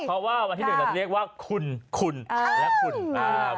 เพราะว่าวันที่หนึ่งเราจะเรียกว่าคุณคุณอ่าและคุณอ่า